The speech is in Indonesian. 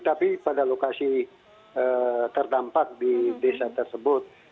tapi pada lokasi terdampak di desa tersebut